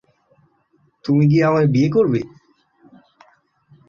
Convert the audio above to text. তুমি কি আমায় বিয়ে করবে?